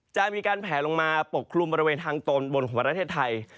จะมีการแผลลงมาปกคลุมบริเวณทางตอนบนของประเทศไทย